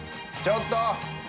ちょっと。